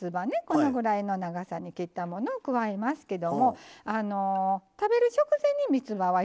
このぐらいの長さに切ったものを加えますけども食べる直前にみつばは入れて頂きたいんですよ。